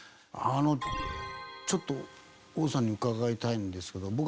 あのちょっと王さんに伺いたいんですけど。